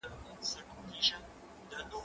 زه پرون د کتابتوننۍ سره مرسته کوم